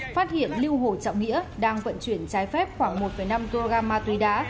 phát hiện lưu hồ trọng nghĩa đang vận chuyển trái phép khoảng một năm kg ma túy đá